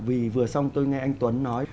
vì vừa xong tôi nghe anh tuấn nói